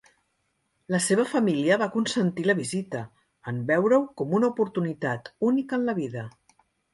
La seva família va consentir la visita, en veure-ho com una oportunitat única en la vida.